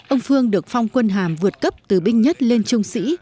ông phương được phong quân hàm vượt cấp từ binh nhất lên trung sĩ